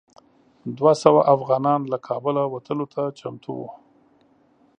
دوه سوه افغانان له کابله وتلو ته چمتو وو.